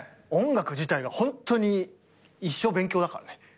音楽自体がホントに一生勉強だからね。